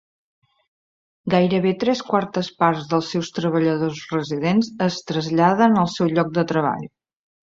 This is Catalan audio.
Gairebé tres quartes parts dels seus treballadors residents es traslladen al seu lloc de treball.